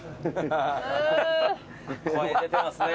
声出てますね。